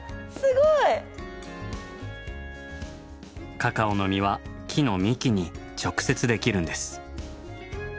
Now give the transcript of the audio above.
カカオの実は木の幹に直接できるんです。